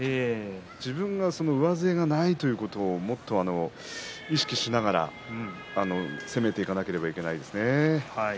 自分が上背がないということをもっと意識しながら攻めていかなければいけないですね。